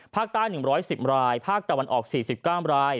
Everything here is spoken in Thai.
ภาคใต้๑๑๐รายภาคตะวันออก๔๙ราย